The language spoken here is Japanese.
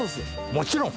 もちろん！